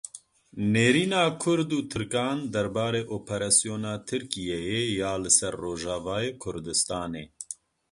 Nêrîna Kurd û Tirkan derbarê operasyona Tirkiyeyê ya li ser Rojavayê Kurdistanê.